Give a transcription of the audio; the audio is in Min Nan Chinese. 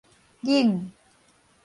研